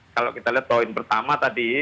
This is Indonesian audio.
kalau kita lihat poin pertama tadi